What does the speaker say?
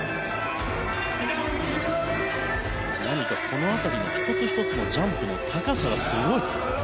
この辺りの１つ１つのジャンプの高さがすごい。